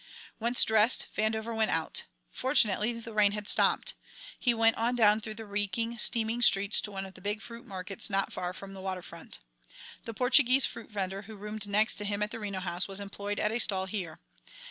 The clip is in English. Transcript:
Once dressed, Vandover went out. Fortunately, the rain had stopped. He went on down through the reeking, steaming streets to one of the big fruit markets not far from the water front. The Portuguese fruit vender who roomed next to him at the Reno House was employed at a stall here.